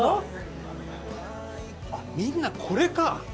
みんなこれか！